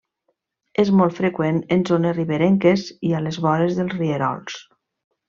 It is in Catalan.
És molt freqüent en zones riberenques i a les vores de rierols.